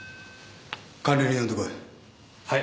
管理人を呼んでこい。